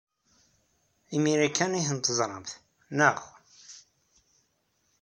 Imir-a kan ay ten-teẓramt, naɣ?